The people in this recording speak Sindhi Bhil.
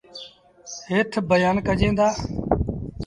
هيٽ بيآݩ ڪجين دآ۔